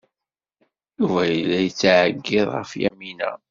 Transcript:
Yuba yella yettɛeggiḍ ɣef Yamina.